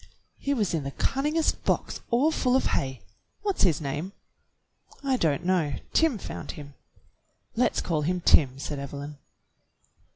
He was in the cunningest box all full of hay. "What's his name.^" "I don't know. Tim found him." "Let's call him Tim," said Evelyn.